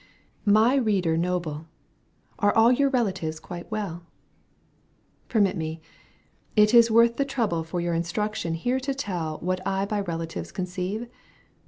My reader noble, Are all your relatives quite well ? Permit me ; is it worth the trouble For your instruction here to teU What I by relatives conceive